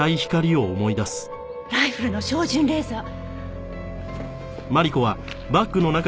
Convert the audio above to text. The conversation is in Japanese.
ライフルの照準レーザー。